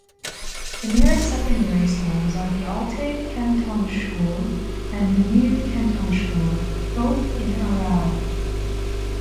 The nearest secondary schools are the Alte Kantonsschule and the Neue Kantonsschule, both in Aarau.